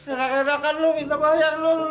enak enakan lu minta bayar lu